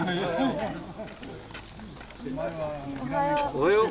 ・おはよう。